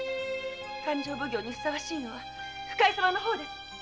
勘定奉行にふさわしいのは深井様の方です。